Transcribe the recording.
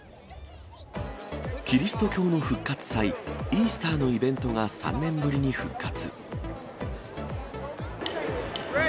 キリスト教の復活祭、イースターのイベントが３年ぶりに復活。